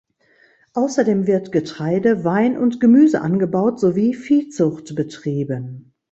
Außerdem wird Getreide, Wein und Gemüse angebaut sowie Viehzucht betrieben.